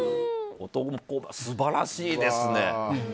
素晴らしいですね。